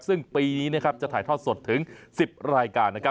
ซึ่งปีนี้จะถ่ายทอดสดถึง๑๐รายการ